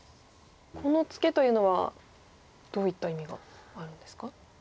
このツケというのはどういった意味があるんですか？